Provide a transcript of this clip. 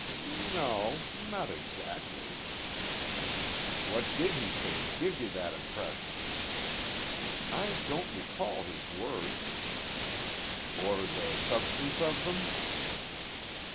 "No o, not exactly." "What did he say to give you that impression?" "I don't recall his words." "Or the substance of them?"